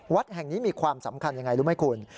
วัดแห่งนี้มีความสำคัญอย่างไรรู้ไหมคุณ